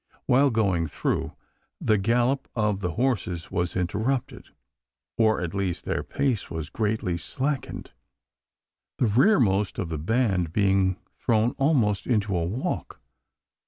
While going through, the gallop of the horses was interrupted or at least their pace was greatly slackened the rearmost of the band being thrown almost into a walk.